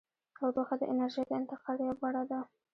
تودوخه د انرژۍ د انتقال یوه بڼه ده.